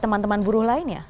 teman teman buruh lain ya